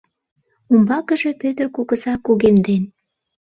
Умбакыже Пӧтыр кугыза кугемден.